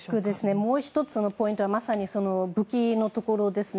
もう１つのポイントは、まさに武器のところですね。